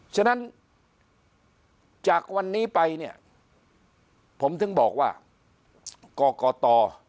ฉะนั้นจากวันนี้ไปเนี่ยผมถึงบอกว่ากรกต